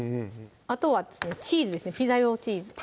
あとはチーズですねピザ用チーズ